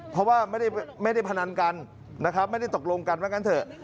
เพราะว่าไม่ได้พนันกันไม่ได้ตกลงกันแล้วกันเถอะ